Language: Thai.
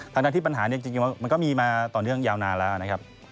ทั้งที่ปัญหาเนี่ยจริงมันก็มีมาต่อเนื่องยาวนานแล้วนะครับ